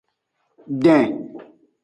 Den.